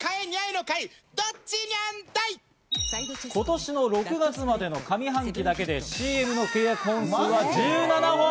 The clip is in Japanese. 今年の６月までの上半期だけで、ＣＭの契約数は１７本。